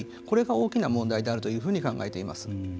これが大きな問題であるというふうに考えています。